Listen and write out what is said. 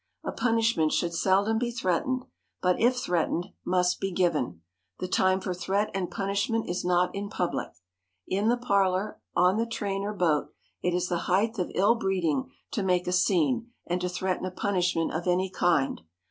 A punishment should seldom be threatened, but if threatened, must be given. The time for threat and punishment is not in public. In the parlor, on the train or boat, it is the height of ill breeding to make a scene and to threaten a punishment of any kind.